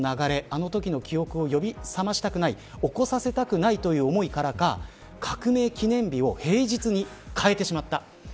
あのときの記憶を呼び起こさせなくないという思いからか革命記念日を平日に変えてしまった。